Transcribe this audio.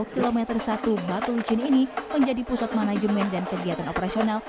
kilometer satu batu licin ini menjadi pusat manajemen dan kegiatan operasional